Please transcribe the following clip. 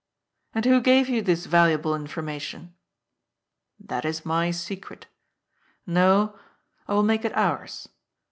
" And who gave you this valuable information ?"" That is my secret. N"o, I will make it ours.